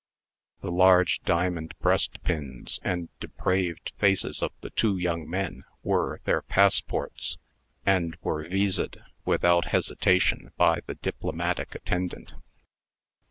The large diamond breastpins and depraved faces of the two young men were their passports, and were viséd without hesitation by the diplomatic attendant.